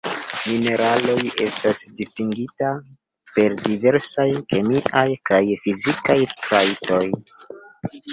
Mineraloj estas distingitaj per diversaj kemiaj kaj fizikaj trajtoj.